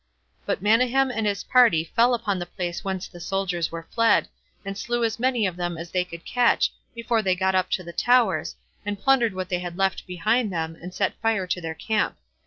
But Manahem and his party fell upon the place whence the soldiers were fled, and slew as many of them as they could catch, before they got up to the towers, and plundered what they left behind them, and set fire to their camp.